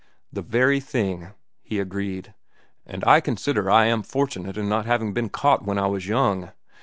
"The very thing," he agreed. "And I consider I am fortunate in not having been caught when I was young.